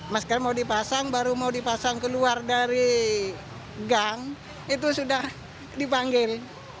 masker mau dipasang baru mau dipasang keluar dari gang itu sudah dipanggil